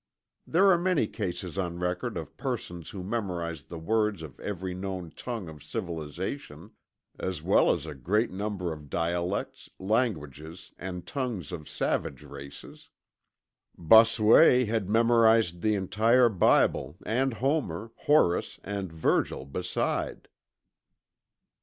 There are many cases on record of persons who memorized the words of every known tongue of civilization, as well as a great number of dialects, languages, and tongues of savage races. Bossuet had memorized the entire Bible, and Homer, Horace and Virgil beside.